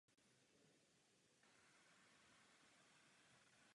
Tato událost se z dlouhodobého hlediska stala pro průběh obléhání velmi zásadní.